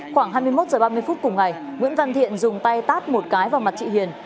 khoảng hai mươi một h ba mươi phút cùng ngày nguyễn văn thiện dùng tay tát một cái vào mặt chị hiền